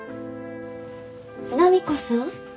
波子さん。